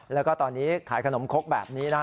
แล้วก็ตอนนี้ขายขนมคกแบบนี้นะ